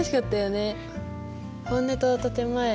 本音と建て前。